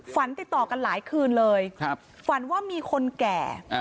ติดต่อกันหลายคืนเลยฝันว่ามีคนแก่